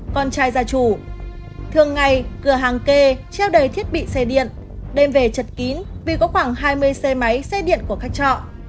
con trai gia chủ thường ngày cửa hàng kê treo đầy thiết bị xe điện đem về chật kín vì có khoảng hai mươi xe máy xe điện của khách trọ